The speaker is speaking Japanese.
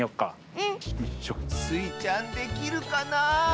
うん。スイちゃんできるかなあ？